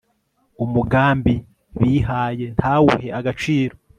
umugambi bihaye ntawuhe agaciro